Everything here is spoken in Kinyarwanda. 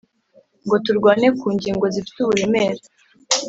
ngo turwane kungingo zifite uburemere